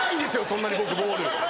そんなに僕ボール。